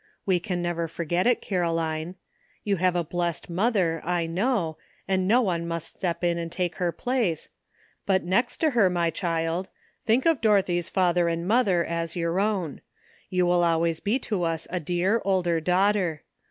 We can never forget it, Caroline. You have a blessed mother, I know, and no one must step in and take her place ; but next to her, my child, think of Dorothy's father and mother as 866 AT LAST. your own. You will always be to us a dear older daughter.